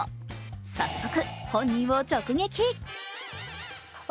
早速本人を直撃。